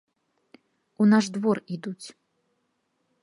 У наш двор ідуць.